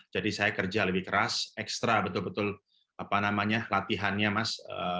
jadi saya kerja lebih keras ekstra betul betul latihannya mas